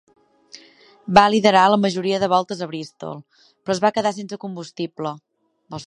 Va liderar la majoria de voltes a Bristol, però es va quedar sense combustible.